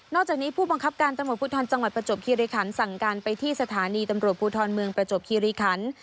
จากนี้ผู้บังคับการตำรวจภูทรจังหวัดประจวบคิริคันสั่งการไปที่สถานีตำรวจภูทรเมืองประจวบคิริคัน